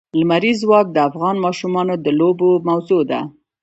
لمریز ځواک د افغان ماشومانو د لوبو موضوع ده.